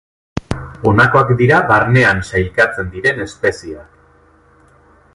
Honakoak dira barnean sailkatzen diren espezieak.